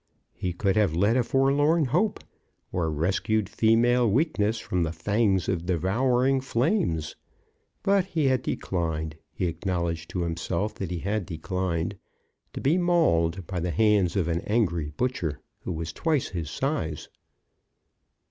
He could have led a forlorn hope, or rescued female weakness from the fangs of devouring flames. But he had declined, he acknowledged to himself that he had declined, to be mauled by the hands of an angry butcher, who was twice his size.